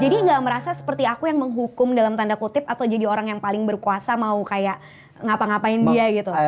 jadi gak merasa seperti aku yang menghukum dalam tanda kutip atau jadi orang yang paling berkuasa mau kayak ngapa ngapain dia gitu